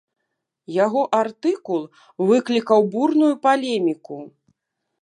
Яго артыкул выклікаў бурную палеміку.